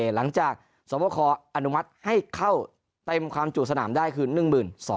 หลังจากสวบคออนุมัติให้เข้าเต็มความจุสนามได้คือ๑๒๐๐